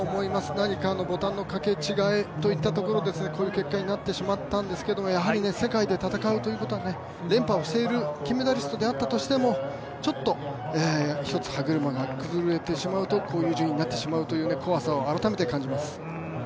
何かボタンの掛け違えといったところでこういった結果になってしまったんですけどやはり世界で戦うということは連覇をしている金メダリストであっても、ちょっと一つ歯車が崩れてしまうとこういう順位になってしまうという怖さを改めて感じます。